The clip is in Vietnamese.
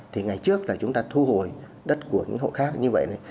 thì ngày trước là chúng ta thu hồi đất của những hội khác như vậy